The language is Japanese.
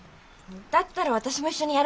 だったら私も一緒にやろうかな。